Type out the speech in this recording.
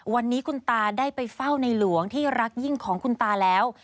วันนี้คุณตาได้ไปเฝ้าในหลวงที่รักยิ่งของคุณตาแล้ว